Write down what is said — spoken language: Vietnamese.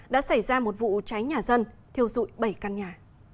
đã xảy ra một vụ cháy nhà dân thiêu dụi bảy căn nhà